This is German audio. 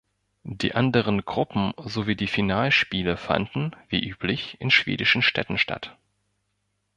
Die anderen Gruppen- sowie die Finalspiele fanden, wie üblich, in schwedischen Städten statt.